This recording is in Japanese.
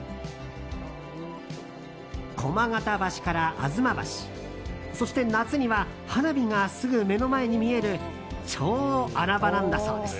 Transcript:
駒形橋から吾妻橋そして、夏には花火がすぐ目の前に見える超穴場なんだそうです。